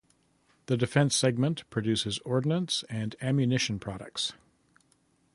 The Defense segment produces ordnance and ammunition products.